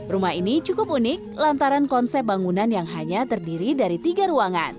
rumah ini cukup unik lantaran konsep bangunan yang hanya terdiri dari tiga ruangan